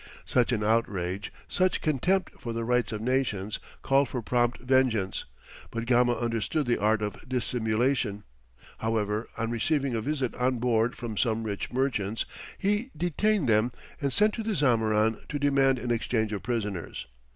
Such an outrage, such contempt for the rights of nations, called for prompt vengeance, but Gama understood the art of dissimulation; however, on receiving a visit on board from some rich merchants, he detained them, and sent to the Zamorin to demand an exchange of prisoners.